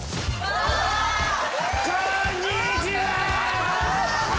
こんにちは！